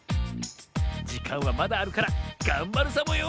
じかんはまだあるからがんばるサボよ